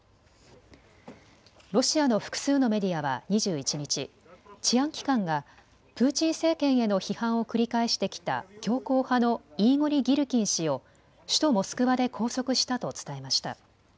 ロシアの複数のメディアは２１日、治安機関がプーチン政権への批判を繰り返してきた強硬派のイーゴリ・ギルキン氏を首都モスクワで拘束したと伝えました。